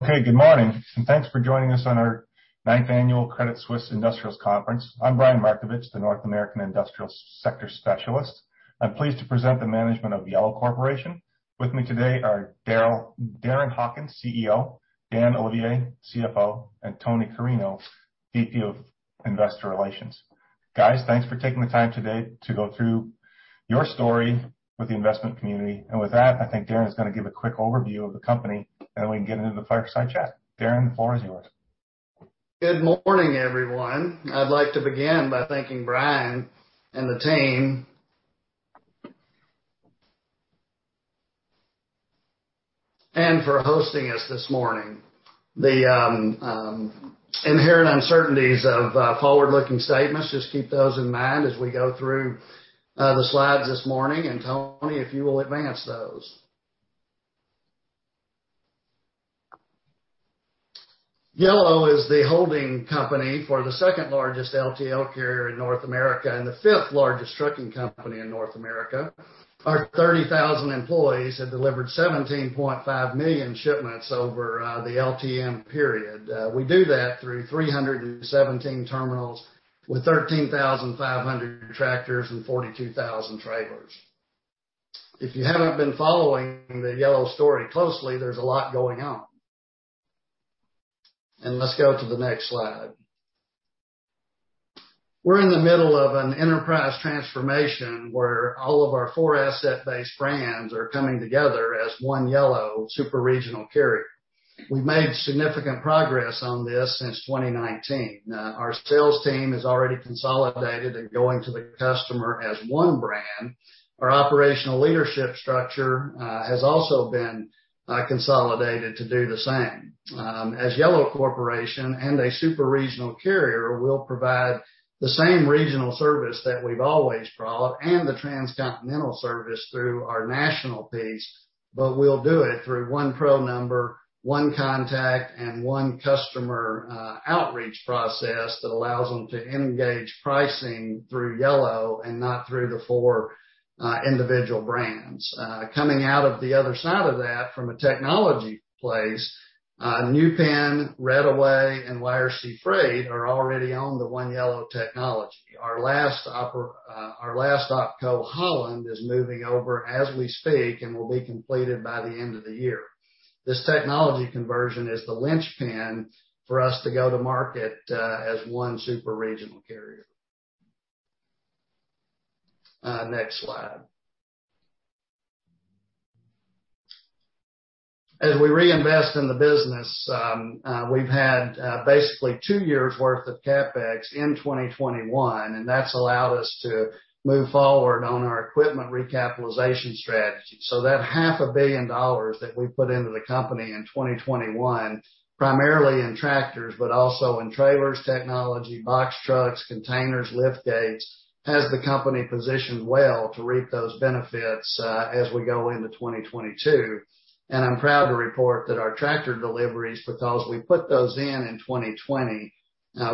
Okay, good morning, and thanks for joining us on our Ninth Annual Credit Suisse Industrials Conference. I'm Brian Markovich, the North American industrial sector specialist. I'm pleased to present the management of Yellow Corporation. With me today are Darren Hawkins, CEO, Dan Olivier, CFO, and Tony Carreño, VP of Investor Relations. Guys, thanks for taking the time today to go through your story with the investment community. With that, I think Darren is gonna give a quick overview of the company, and then we can get into the fireside chat. Darren, the floor is yours. Good morning, everyone. I'd like to begin by thanking Brian and the team for hosting us this morning. The inherent uncertainties of forward-looking statements. Just keep those in mind as we go through the slides this morning. Tony, if you will advance those. Yellow is the holding company for the second-largest LTL carrier in North America and the fifth-largest trucking company in North America. Our 30,000 employees have delivered 17.5 million shipments over the LTM period. We do that through 317 terminals with 13,500 tractors and 42,000 trailers. If you haven't been following the Yellow story closely, there's a lot going on. Let's go to the next slide. We're in the middle of an enterprise transformation where all of our four asset-based brands are coming together as one Yellow super regional carrier. We've made significant progress on this since 2019. Our sales team is already consolidated and going to the customer as one brand. Our operational leadership structure has also been consolidated to do the same. As Yellow Corporation and a super regional carrier, we'll provide the same regional service that we've always brought and the transcontinental service through our national piece, but we'll do it through one pro number, one contact, and one customer outreach process that allows them to engage pricing through Yellow and not through the four individual brands. Coming out of the other side of that from a technology place, New Penn, Reddaway, and YRC Freight are already on the One Yellow technology. Our last op co, Holland, is moving over as we speak and will be completed by the end of the year. This technology conversion is the linchpin for us to go to market as one super regional carrier. Next slide. As we reinvest in the business, we've had basically two years worth of CapEx in 2021, and that's allowed us to move forward on our equipment recapitalization strategy. That half a billion dollars that we put into the company in 2021, primarily in tractors, but also in trailers, technology, box trucks, containers, lift gates, has the company positioned well to reap those benefits as we go into 2022. I'm proud to report that our tractor deliveries, because we put those in in 2020,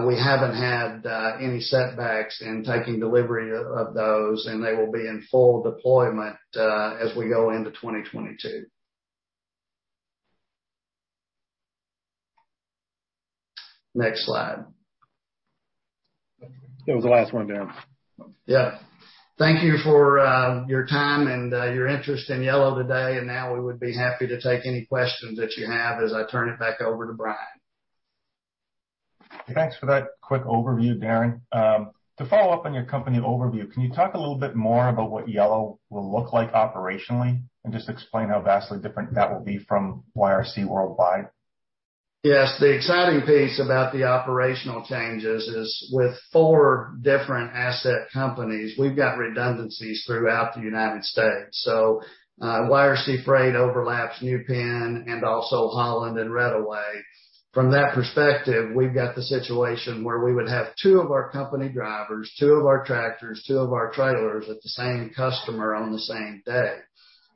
we haven't had any setbacks in taking delivery of those, and they will be in full deployment as we go into 2022. Next slide. That was the last one, Darren. Yeah. Thank you for your time and your interest in Yellow today. Now we would be happy to take any questions that you have as I turn it back over to Brian. Thanks for that quick overview, Darren. To follow up on your company overview, can you talk a little bit more about what Yellow will look like operationally, and just explain how vastly different that will be from YRC Worldwide? Yes. The exciting piece about the operational changes is with four different asset companies, we've got redundancies throughout the United States. YRC Freight overlaps New Penn and also Holland and Reddaway. From that perspective, we've got the situation where we would have two of our company drivers, two of our tractors, two of our trailers at the same customer on the same day.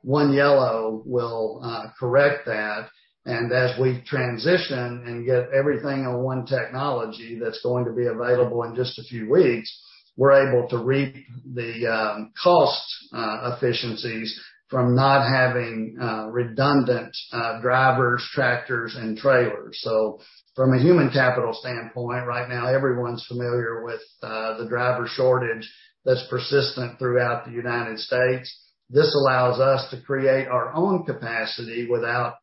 One Yellow will correct that, and as we transition and get everything on one technology that's going to be available in just a few weeks, we're able to reap the cost efficiencies from not having redundant drivers, tractors, and trailers. From a human capital standpoint, right now, everyone's familiar with the driver shortage that's persistent throughout the United States. This allows us to create our own capacity without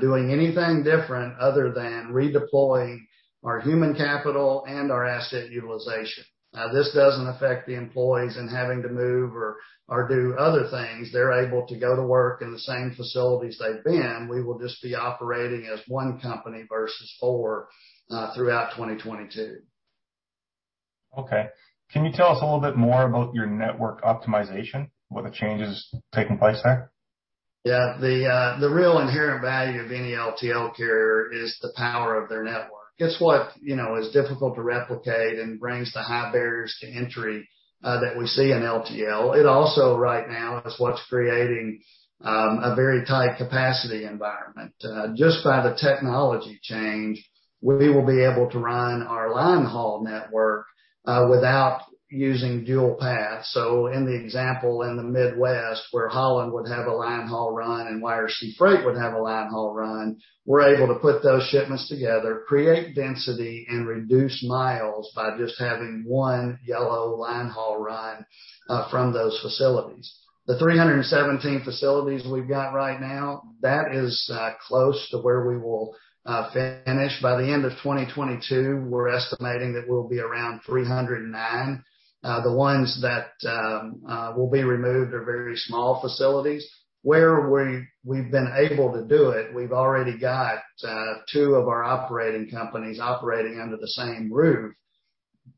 doing anything different other than redeploying our human capital and our asset utilization. This doesn't affect the employees in having to move or do other things. They're able to go to work in the same facilities they've been. We will just be operating as one company versus four throughout 2022. Okay. Can you tell us a little bit more about your network optimization, with the changes taking place there? Yeah. The real inherent value of any LTL carrier is the power of their network. It's what, you know, is difficult to replicate and brings the high barriers to entry that we see in LTL. It also right now is what's creating a very tight capacity environment. Just by the technology change. We will be able to run our line haul network without using dual paths. In the example in the Midwest, where Holland would have a line haul run and YRC Freight would have a line haul run, we're able to put those shipments together, create density, and reduce miles by just having one Yellow line haul run from those facilities. The 317 facilities we've got right now, that is close to where we will finish. By the end of 2022, we're estimating that we'll be around 309. The ones that will be removed are very small facilities. Where we've been able to do it, we've already got two of our operating companies operating under the same roof.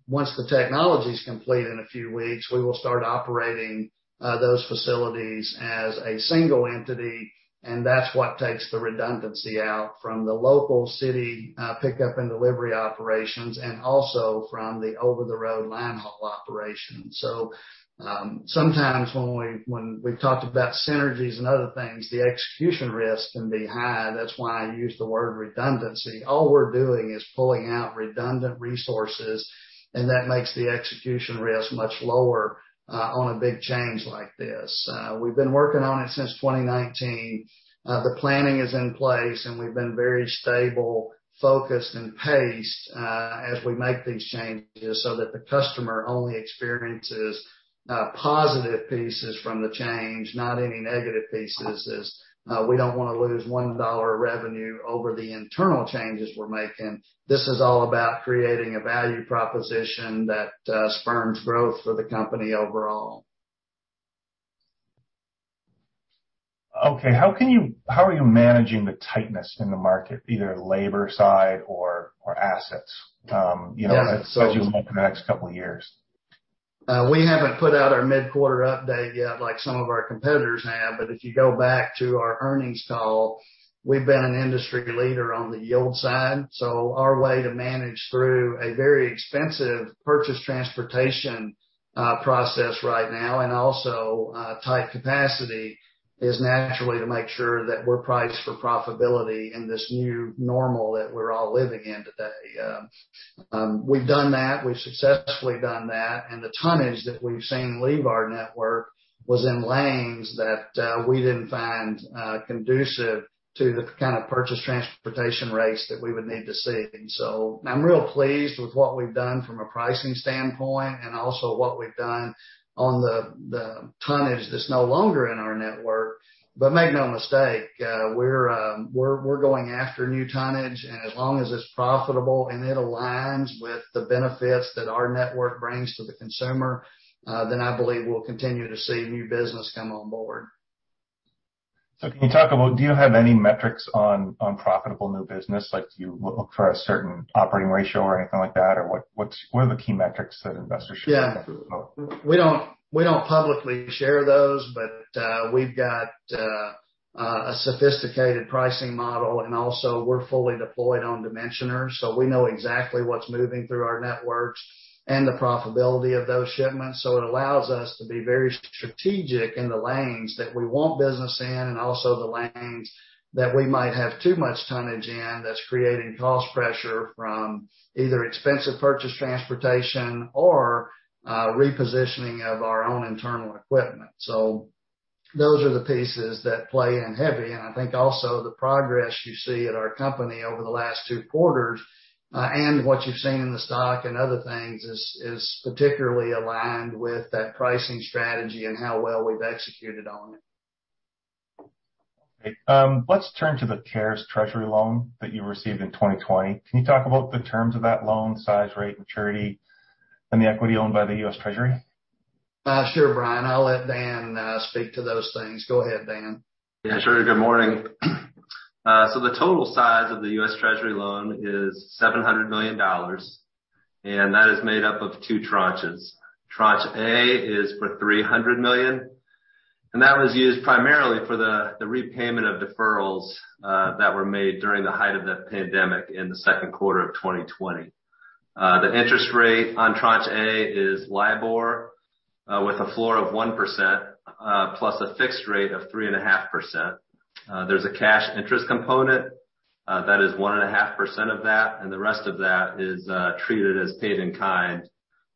Once the technology's complete in a few weeks, we will start operating those facilities as a single entity, and that's what takes the redundancy out from the local city pickup and delivery operations and also from the over-the-road line haul operations. Sometimes when we've talked about synergies and other things, the execution risk can be high. That's why I use the word redundancy. All we're doing is pulling out redundant resources, and that makes the execution risk much lower on a big change like this. We've been working on it since 2019. The planning is in place, and we've been very stable, focused, and paced as we make these changes so that the customer only experiences positive pieces from the change, not any negative pieces. We don't wanna lose $1 of revenue over the internal changes we're making. This is all about creating a value proposition that spurs growth for the company overall. Okay. How are you managing the tightness in the market, either labor side or assets? You know, Yeah. As you look in the next couple of years. We haven't put out our mid-quarter update yet like some of our competitors have, but if you go back to our earnings call, we've been an industry leader on the yield side. Our way to manage through a very expensive purchased transportation process right now and also tight capacity is naturally to make sure that we're priced for profitability in this new normal that we're all living in today. We've done that. We've successfully done that, and the tonnage that we've seen leave our network was in lanes that we didn't find conducive to the kind of purchased transportation rates that we would need to see. I'm real pleased with what we've done from a pricing standpoint and also what we've done on the tonnage that's no longer in our network. Make no mistake, we're going after new tonnage, and as long as it's profitable and it aligns with the benefits that our network brings to the consumer, then I believe we'll continue to see new business come on board. Can you talk about, do you have any metrics on profitable new business? Like, do you look for a certain operating ratio or anything like that? Or what are the key metrics that investors should look for? Yeah. We don't publicly share those, but we've got a sophisticated pricing model, and also we're fully deployed on dimensioners. We know exactly what's moving through our networks and the profitability of those shipments. It allows us to be very strategic in the lanes that we want business in and also the lanes that we might have too much tonnage in that's creating cost pressure from either expensive purchased transportation or repositioning of our own internal equipment. Those are the pieces that play in heavy. I think also the progress you see at our company over the last two quarters and what you've seen in the stock and other things is particularly aligned with that pricing strategy and how well we've executed on it. Okay. Let's turn to the CARES Treasury loan that you received in 2020. Can you talk about the terms of that loan, size, rate, maturity, and the equity owned by the U.S. Treasury? Sure, Brian. I'll let Dan speak to those things. Go ahead, Dan. Yeah, sure. Good morning. The total size of the U.S. Treasury loan is $700 million, and that is made up of two tranches. Tranche A is for $300 million, and that was used primarily for the repayment of deferrals that were made during the height of the pandemic in the Q2 of 2020. The interest rate on Tranche A is LIBOR with a floor of 1%, plus a fixed rate of 3.5%. There's a cash interest component that is 1.5% of that, and the rest of that is treated as paid in kind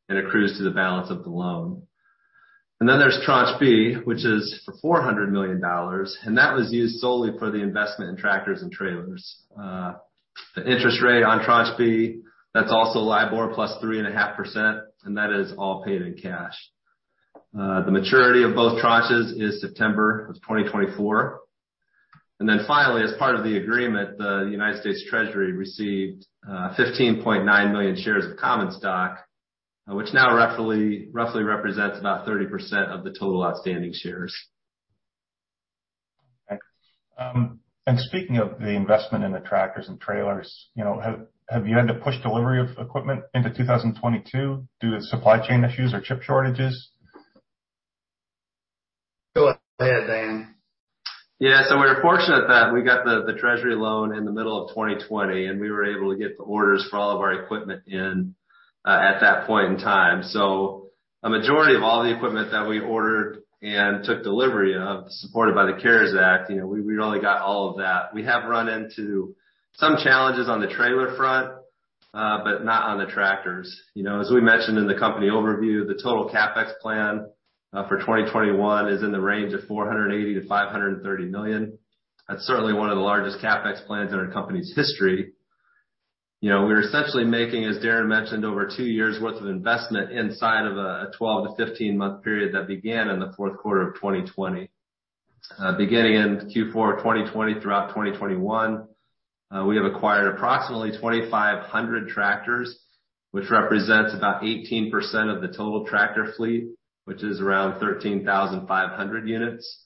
and accrues to the balance of the loan. Then there's Tranche B, which is for $400 million, and that was used solely for the investment in tractors and trailers. The interest rate on Tranche B, that's also LIBOR plus 3.5%, and that is all paid in cash. The maturity of both tranches is September of 2024. Then finally, as part of the agreement, the United States Treasury received 15.9 million shares of common stock, which now roughly represents about 30% of the total outstanding shares. Speaking of the investment in the tractors and trailers, you know, have you had to push delivery of equipment into 2022 due to supply chain issues or chip shortages? Go ahead, Dan. Yeah. We were fortunate that we got the Treasury loan in the middle of 2020, and we were able to get the orders for all of our equipment in at that point in time. A majority of all the equipment that we ordered and took delivery of supported by the CARES Act, you know, we only got all of that. We have run into some challenges on the trailer front, but not on the tractors. You know, as we mentioned in the company overview, the total CapEx plan for 2021 is in the range of $480 million to $530 million. That's certainly one of the largest CapEx plans in our company's history. You know, we're essentially making, as Darren mentioned, over two years worth of investment inside of a 12- to 15-month period that began in the Q4 of 2020. Beginning in Q4 of 2020 throughout 2021, we have acquired approximately 2,500 tractors, which represents about 18% of the total tractor fleet, which is around 13,500 units.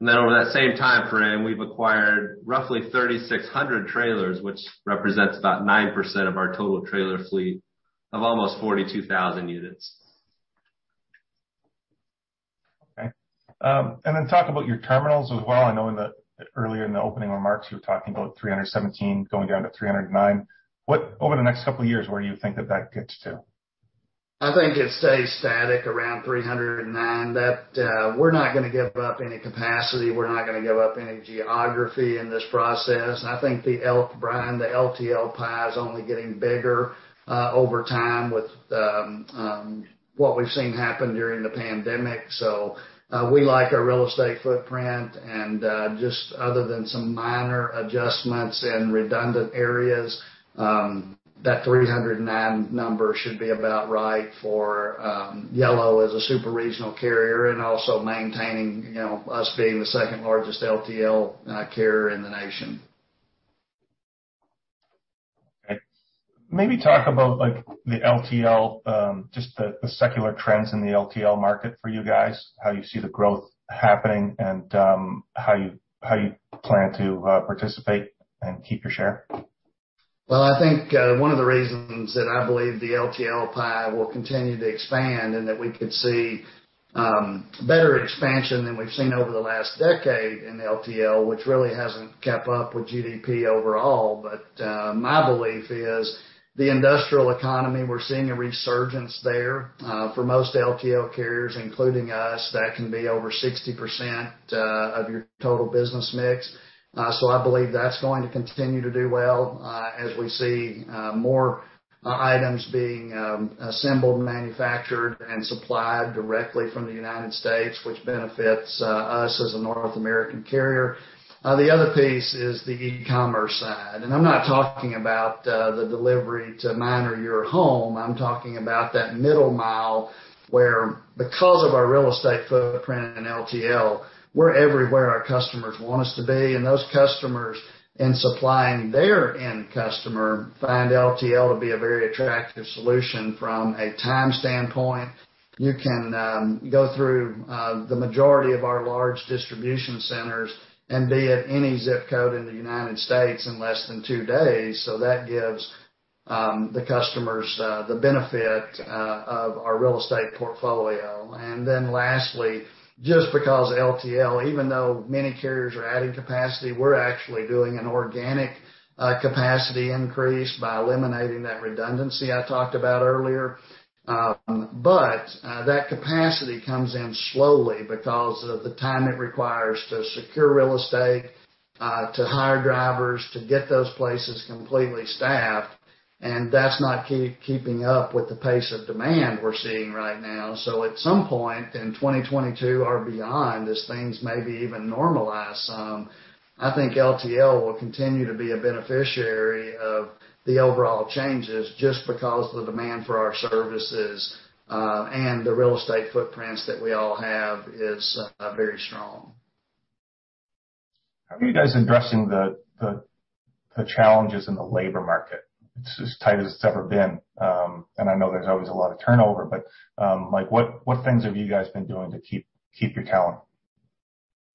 Over that same timeframe, we've acquired roughly 3,600 trailers, which represents about 9% of our total trailer fleet of almost 42,000 units. Okay. Talk about your terminals as well. I know earlier in the opening remarks, you were talking about 317 going down to 309. Over the next couple of years, where do you think that gets to? I think it stays static around 309. That we're not gonna give up any capacity. We're not gonna give up any geography in this process. I think the LTL freight, is only getting bigger over time with what we've seen happen during the pandemic. We like our real estate footprint and just other than some minor adjustments in redundant areas, that 309 number should be about right for Yellow as a super regional carrier and also maintaining, you know, us being the second-largest LTL carrier in the nation. Okay. Maybe talk about, like, the LTL just the secular trends in the LTL market for you guys, how you see the growth happening and how you plan to participate and keep your share. Well, I think one of the reasons that I believe the LTL pie will continue to expand and that we could see better expansion than we've seen over the last decade in LTL, which really hasn't kept up with GDP overall. My belief is the industrial economy. We're seeing a resurgence there. For most LTL carriers, including us, that can be over 60% of your total business mix. I believe that's going to continue to do well as we see more items being assembled, manufactured, and supplied directly from the United States, which benefits us as a North American carrier. The other piece is the e-commerce side. I'm not talking about the delivery to mine or your home. I'm talking about that middle mile where because of our real estate footprint in LTL, we're everywhere our customers want us to be, and those customers in supplying their end customer find LTL to be a very attractive solution from a time standpoint. You can go through the majority of our large distribution centers and be at any ZIP Code in the United States in less than two days. That gives the customers the benefit of our real estate portfolio. Lastly, just because LTL, even though many carriers are adding capacity, we're actually doing an organic capacity increase by eliminating that redundancy I talked about earlier. That capacity comes in slowly because of the time it requires to secure real estate to hire drivers, to get those places completely staffed. That's not keeping up with the pace of demand we're seeing right now. At some point in 2022 or beyond, as things maybe even normalize some, I think LTL will continue to be a beneficiary of the overall changes just because the demand for our services, and the real estate footprints that we all have is, very strong. How are you guys addressing the challenges in the labor market? It's as tight as it's ever been. I know there's always a lot of turnover, but like what things have you guys been doing to keep your talent?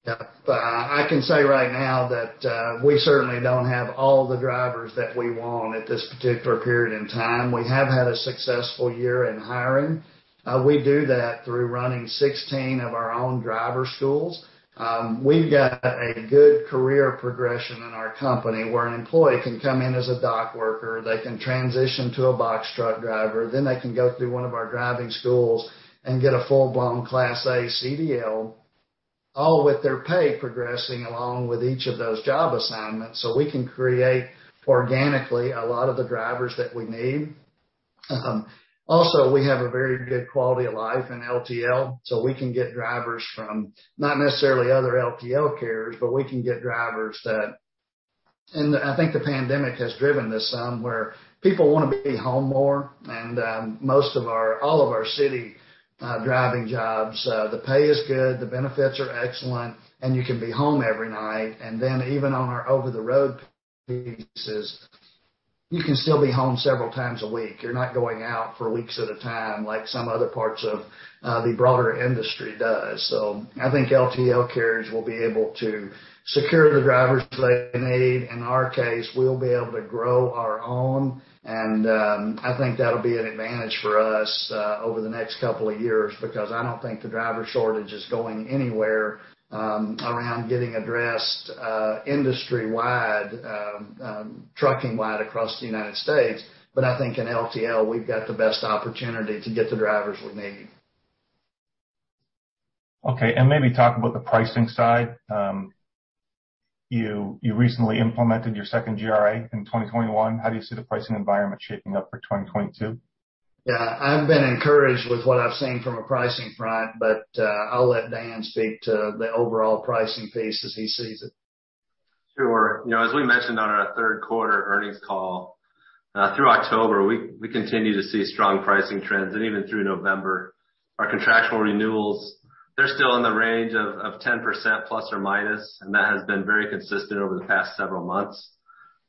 Yeah, I can say right now that we certainly don't have all the drivers that we want at this particular period in time. We have had a successful year in hiring. We do that through running 16 of our own driver schools. We've got a good career progression in our company where an employee can come in as a dock worker, they can transition to a box truck driver, then they can go through one of our driving schools and get a full-blown Class A CDL, all with their pay progressing along with each of those job assignments. We can create organically a lot of the drivers that we need. Also, we have a very good quality of life in LTL, so we can get drivers from not necessarily other LTL carriers, but we can get drivers that I think the pandemic has driven this some, where people wanna be home more. All of our city driving jobs, the pay is good, the benefits are excellent, and you can be home every night. Then even on our over-the-road pieces, you can still be home several times a week. You're not going out for weeks at a time like some other parts of the broader industry does. I think LTL carriers will be able to secure the drivers they need. In our case, we'll be able to grow our own. I think that'll be an advantage for us over the next couple of years because I don't think the driver shortage is going anywhere around getting addressed industry-wide trucking-wide across the United States. I think in LTL, we've got the best opportunity to get the drivers we need. Okay. Maybe talk about the pricing side. You recently implemented your second GRA in 2021. How do you see the pricing environment shaping up for 2022? Yeah, I've been encouraged with what I've seen from a pricing front, but I'll let Dan speak to the overall pricing piece as he sees it. Sure. You know, as we mentioned on our Q3 Earnings Call, through October, we continue to see strong pricing trends. Even through November, our contractual renewals, they're still in the range of 10% plus or minus, and that has been very consistent over the past several months.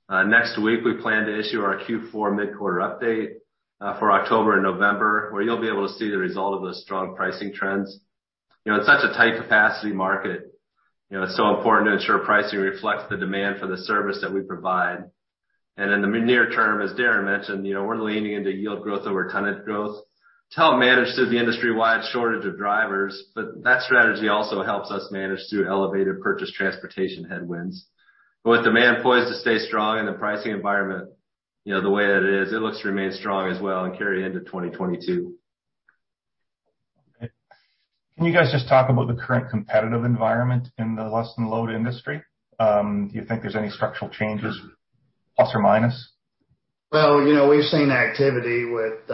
Next week, we plan to issue our Q4 mid-quarter update for October and November, where you'll be able to see the result of those strong pricing trends. You know, in such a tight capacity market, you know, it's so important to ensure pricing reflects the demand for the service that we provide. In the near term, as Darren mentioned, you know, we're leaning into yield growth over tenant growth to help manage through the industry-wide shortage of drivers. That strategy also helps us manage through elevated purchased transportation headwinds. With demand poised to stay strong and the pricing environment, you know, the way that it is, it looks to remain strong as well and carry into 2022. Can you guys just talk about the current competitive environment in the less-than-truckload industry? Do you think there's any structural changes plus or minus? Well, you know, we've seen activity with,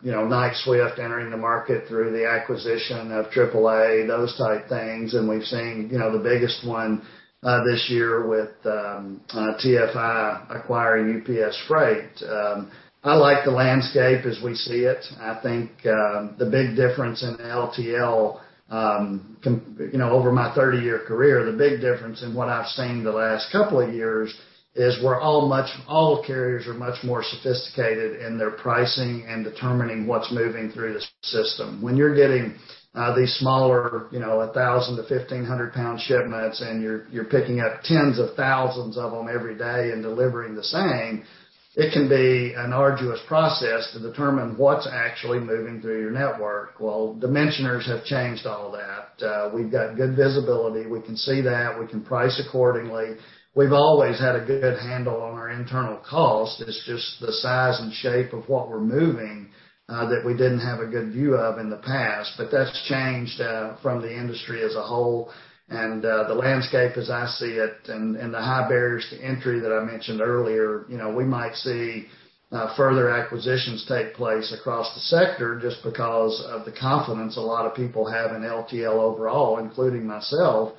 you know, Knight-Swift entering the market through the acquisition of AAA, those type things. We've seen, you know, the biggest one this year with TFI acquiring UPS Freight. I like the landscape as we see it. I think the big difference in LTL over my 30-year career in what I've seen the last couple of years is all carriers are much more sophisticated in their pricing and determining what's moving through the system. When you're getting these smaller, you know, 1,000 to 1,500 pound shipments, and you're picking up tens of thousands of them every day and delivering the same, it can be an arduous process to determine what's actually moving through your network. Well, dimensioners have changed all that. We've got good visibility. We can see that. We can price accordingly. We've always had a good handle on our internal cost. It's just the size and shape of what we're moving, that we didn't have a good view of in the past. That's changed, from the industry as a whole. The landscape as I see it and the high barriers to entry that I mentioned earlier, you know, we might see, further acquisitions take place across the sector just because of the confidence a lot of people have in LTL overall, including myself.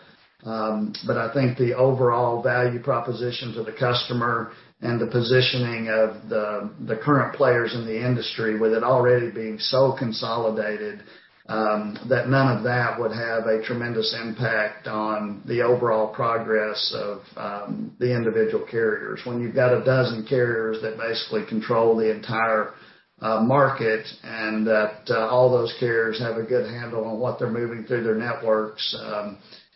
I think the overall value proposition to the customer and the positioning of the current players in the industry, with it already being so consolidated, that none of that would have a tremendous impact on the overall progress of the individual carriers. When you've got a dozen carriers that basically control the entire market and that all those carriers have a good handle on what they're moving through their networks,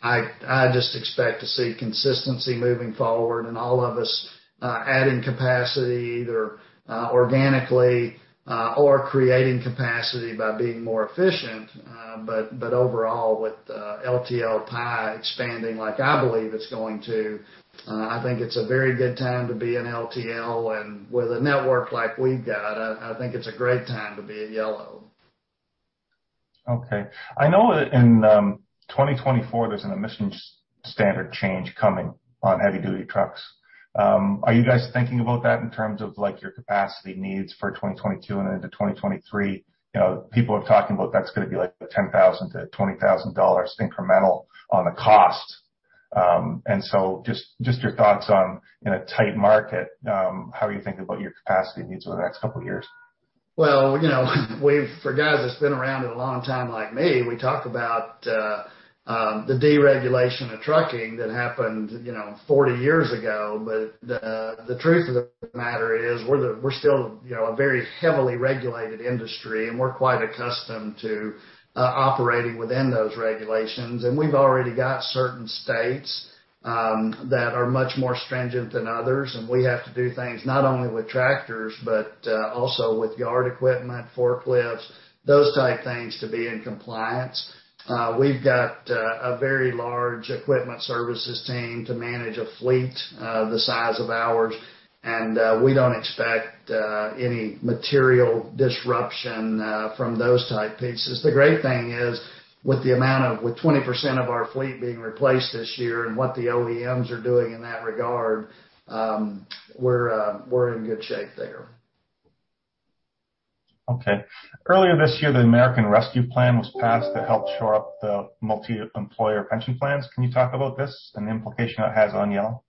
I just expect to see consistency moving forward and all of us adding capacity either organically or creating capacity by being more efficient. Overall, with the LTL pie expanding like I believe it's going to, I think it's a very good time to be in LTL. With a network like we've got, I think it's a great time to be at Yellow. Okay. I know in 2024, there's an emissions standard change coming on heavy duty trucks. Are you guys thinking about that in terms of, like, your capacity needs for 2022 and into 2023? You know, people are talking about that's gonna be like $10,000 to $20,000 incremental on the cost. Just your thoughts on, in a tight market, how you're thinking about your capacity needs over the next couple of years. Well, you know, for guys that's been around it a long time like me, we talk about the deregulation of trucking that happened, you know, 40 years ago. The truth of the matter is we're still, you know, a very heavily regulated industry, and we're quite accustomed to operating within those regulations. We've already got certain states that are much more stringent than others. We have to do things not only with tractors but also with yard equipment, forklifts, those type things to be in compliance. We've got a very large equipment services team to manage a fleet the size of ours. We don't expect any material disruption from those type pieces. The great thing is, with 20% of our fleet being replaced this year and what the OEMs are doing in that regard, we're in good shape there. Okay. Earlier this year, the American Rescue Plan was passed to help shore up the multiemployer pension plans. Can you talk about this and the implication it has on Yellow?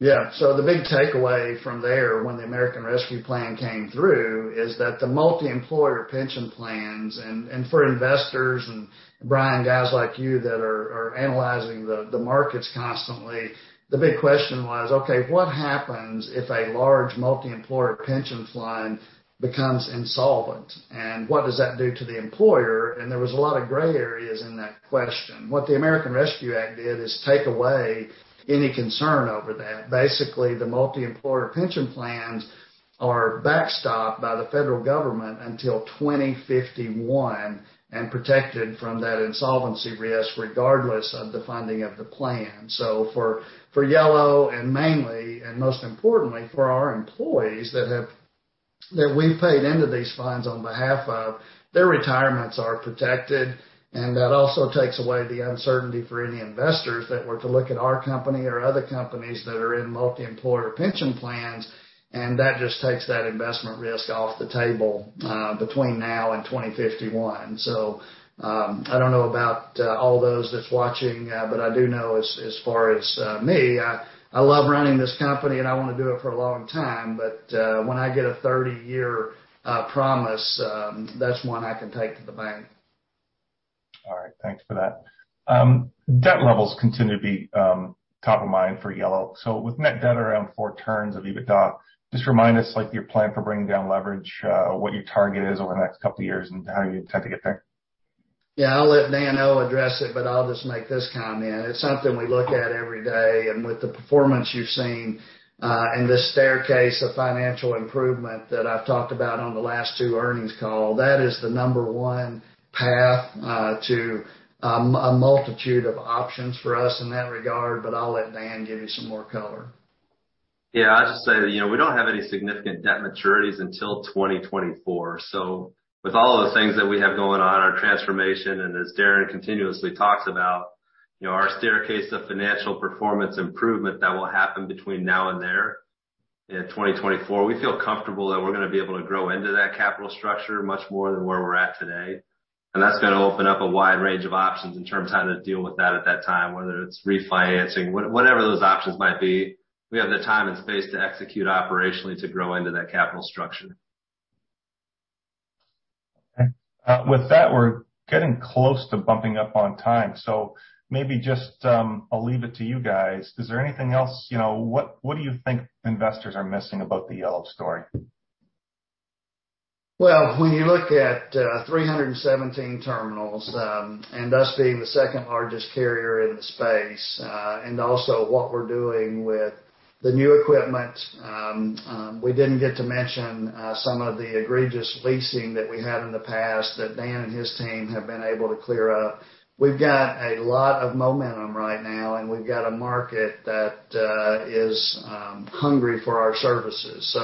Yeah. The big takeaway from there when the American Rescue Plan Act came through is that the multiemployer pension plans and for investors and, Brian, guys like you that are analyzing the markets constantly, the big question was, okay, what happens if a large multiemployer pension plan becomes insolvent? What does that do to the employer? There was a lot of gray areas in that question. What the American Rescue Plan Act did is take away any concern over that. Basically, the multiemployer pension plans are backstopped by the federal government until 2051 and protected from that insolvency risk regardless of the funding of the plan. For Yellow and mainly, and most importantly, for our employees that we've paid into these funds on behalf of their retirements are protected, and that also takes away the uncertainty for any investors that were to look at our company or other companies that are in multi-employer pension plans. That just takes that investment risk off the table, between now and 2051. I don't know about all those that's watching, but I do know as far as me, I love running this company, and I wanna do it for a long time. When I get a 30-year promise, that's one I can take to the bank. All right. Thanks for that. Debt levels continue to be top of mind for Yellow. With net debt around four turns of EBITDA, just remind us, like, your plan for bringing down leverage, what your target is over the next couple of years and how you intend to get there? Yeah, I'll let Dan Olivier address it, but I'll just make this comment. It's something we look at every day. With the performance you've seen, and the staircase of financial improvement that I've talked about on the last two earnings call, that is the number one path to a multitude of options for us in that regard, but I'll let Dan give you some more color. Yeah. I'll just say that, you know, we don't have any significant debt maturities until 2024. With all of the things that we have going on, our transformation, and as Darren continuously talks about, you know, our staircase to financial performance improvement that will happen between now and there in 2024, we feel comfortable that we're gonna be able to grow into that capital structure much more than where we're at today. That's gonna open up a wide range of options in terms of how to deal with that at that time, whether it's refinancing, whatever those options might be, we have the time and space to execute operationally to grow into that capital structure. Okay. With that, we're getting close to bumping up on time, so maybe just, I'll leave it to you guys. Is there anything else? You know, what do you think investors are missing about the Yellow story? Well, when you look at 317 terminals, and us being the second-largest carrier in the space, and also what we're doing with the new equipment, we didn't get to mention some of the egregious leasing that we had in the past that Dan and his team have been able to clear up. We've got a lot of momentum right now, and we've got a market that is hungry for our services.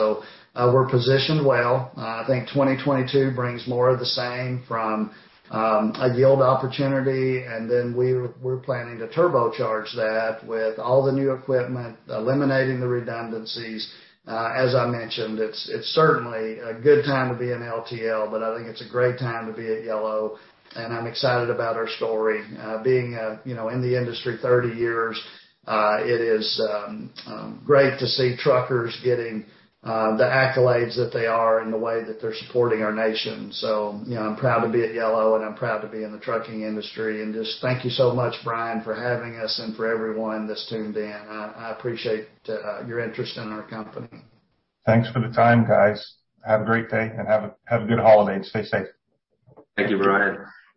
We're positioned well. I think 2022 brings more of the same from a yield opportunity, and then we're planning to turbocharge that with all the new equipment, eliminating the redundancies. As I mentioned, it's certainly a good time to be in LTL, but I think it's a great time to be at Yellow. I'm excited about our story. Being you know, in the industry 30 years, it is great to see truckers getting the accolades that they are and the way that they're supporting our nation. You know, I'm proud to be at Yellow, and I'm proud to be in the trucking industry. Just thank you so much, Brian, for having us and for everyone that's tuned in. I appreciate your interest in our company. Thanks for the time, guys. Have a great day, and have a good holiday and stay safe. Thank you, Brian.